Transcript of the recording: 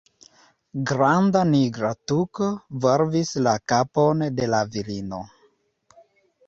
Granda nigra tuko volvis la kapon de la virino.